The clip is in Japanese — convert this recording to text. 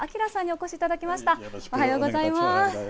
おはようございます。